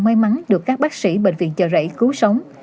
may mắn được các bác sĩ bệnh viện chợ rẫy cứu sống